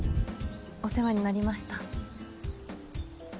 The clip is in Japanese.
お世話になりました。